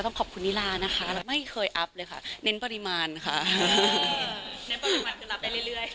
ก็ต้องขอบคุณนิลานะคะไม่เคยอัพเลยละค่ะเน้นปริมาณค่า